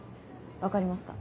分かりますか？